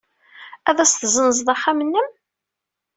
Ad as-tessenzed axxam-nnem?